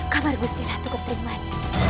kamar gusti ratu ketrimani